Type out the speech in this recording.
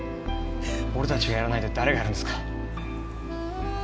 俺たちがやらないで誰がやるんですか？